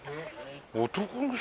男の人？